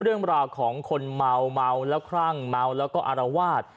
เรื่องราวของคนเมาเมาแล้วคลั่งเมาแล้วก็อารวาส